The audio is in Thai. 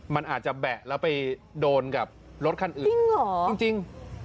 มันอาจจะแบะแล้วไปโดนกับรถคันอื่นจริงเหรอจริง